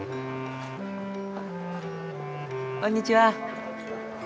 こんにちは。